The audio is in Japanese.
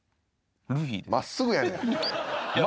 真っすぐやねん。